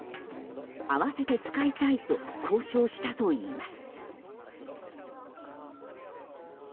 合わせて使いたいと交渉したといいます。